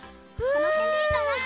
このへんでいいかな？